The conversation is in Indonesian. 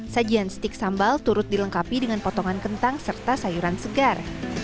sajian stik sambal turut dilengkapi dengan potongan kentang serta sayuran segar